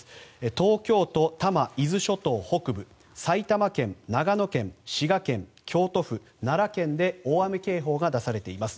東京都、多摩、伊豆諸島北部埼玉県、長野県、滋賀県、京都府奈良県で大雨警報が出されています。